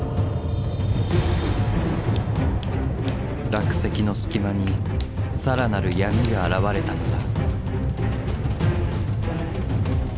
落石の隙間に更なる闇が現れたのだ。